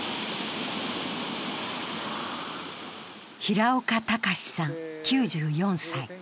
平岡敬さん９４歳。